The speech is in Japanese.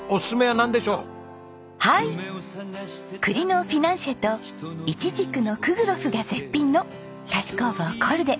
栗のフィナンシェといちじくのクグロフが絶品の菓子工房コルデ。